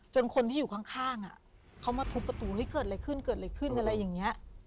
คนที่อยู่ข้างเขามาทุบประตูเฮ้ยเกิดอะไรขึ้นเกิดอะไรขึ้นอะไรอย่างนี้